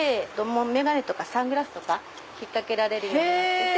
眼鏡とかサングラスとか引っ掛けられるようになってて。